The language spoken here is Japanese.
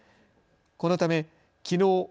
このためきのう